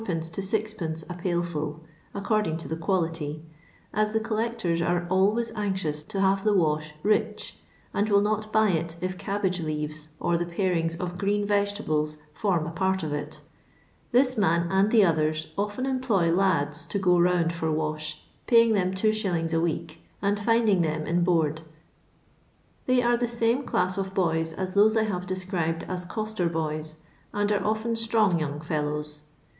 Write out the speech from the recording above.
to Qd, a pail full, ac cording to the quality, as the collectors are always anxious to have the wash '* rich," and will not buy it if cabbage leaves or the parings of green vegetables form a part of it This man and the others often employ lads to go round for wash, piying them 2s. a week, and finding them in board. They are the same dass of boys as those I have described as coster boys, and* are often strong young ffiUowt.